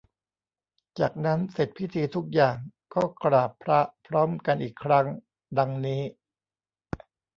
จากนั้นเสร็จพิธีทุกอย่าง ก็กราบพระพร้อมกันอีกครั้ง ดังนี้